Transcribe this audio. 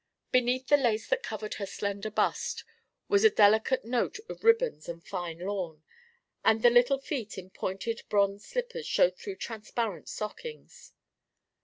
Beneath the lace that covered her slender bust was a delicate note of ribbons and fine lawn, and the little feet in pointed bronze slippers showed through transparent stockings.